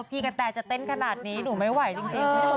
กระแตจะเต้นขนาดนี้หนูไม่ไหวจริง